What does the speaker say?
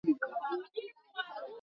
Anauza motoka ya mupya na leo inaaribika